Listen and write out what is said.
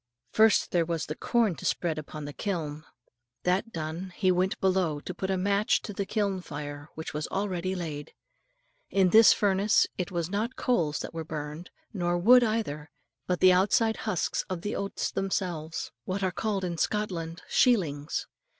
First there was the corn to spread upon the kiln. That done, he went below to put a match to the kiln fire which was already laid. In this furnace it was not coals that were burned, nor wood either, but the outside husks of the oats themselves, what are called in Scotland "shealings."